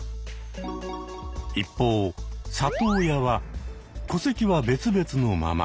一方「里親」は戸籍は別々のまま。